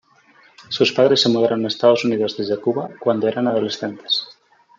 Sus padres se mudaron a Estados Unidos desde Cuba cuando eran adolescentes.